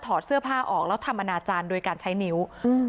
เสื้อผ้าออกแล้วทำอนาจารย์โดยการใช้นิ้วอืม